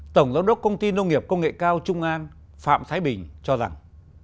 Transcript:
tổng giám đốc công ty nông nghiệp công nghệ cao trung an phạm thái bình cho rằng